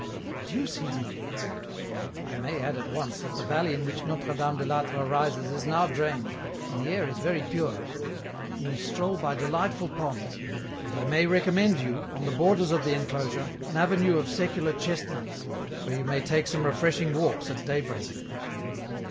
" The deuce he did !"" I may add at once that the valley in which Notre Dame de I'Atre rises is now drained, and the air is very pure. You will stroll by delightful ponds, and I may recommend you, on the borders of the enclosure, an avenue of secular K I3C EN ROUTE. chestnuts, where you may take some refreshing walks at daybreak.'